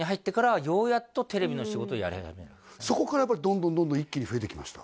そこからどんどんどんどん一気に増えていきました？